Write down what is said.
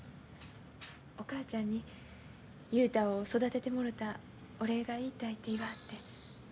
お母ちゃんに雄太を育ててもろたお礼が言いたいて言わはって。